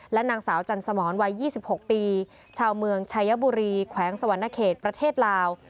นางสาวจันสมรวัย๒๖ปีชาวเมืองชายบุรีแขวงสวรรณเขตประเทศลาว